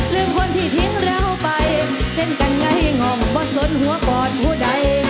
เรื่องคนที่ลิ้งเราไปเต้นกันไงง่องบอสล้นหัวปอดผู้ใด